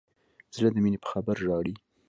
زړه د مینې په خبر ژاړي.